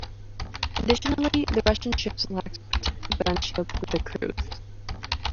Additionally the Russian ships lacked protective gun shields for the crews.